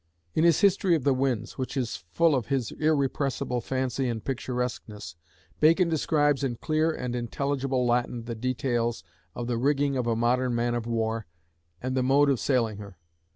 In his History of the Winds, which is full of his irrepressible fancy and picturesqueness, Bacon describes in clear and intelligible Latin the details of the rigging of a modern man of war, and the mode of sailing her.